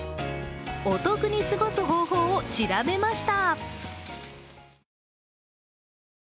お得に過ごす方法を調べました。